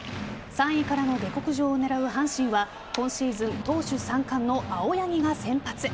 ３位からの下克上を狙う阪神は今シーズン投手三冠の青柳が先発。